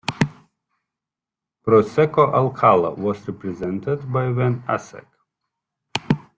Proceso Alcala was represented by then Asec.